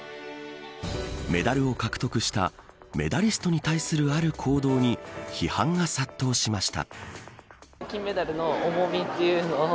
メダルを獲得したメダリストに対するある行動に批判が殺到しました。